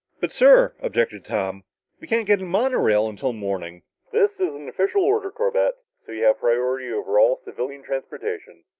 "But, sir," objected Tom, "we can't get a monorail until morning!" "This is an official order, Corbett. So you have priority over all civilian transportation."